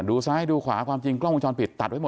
ดูซ้ายดูขวาความจริงกล้องมงจรปิด